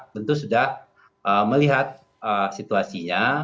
tentu sudah melihat situasinya